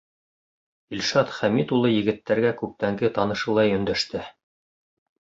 — Илшат Хәмит улы егеттәргә күптәнге танышылай өндәште.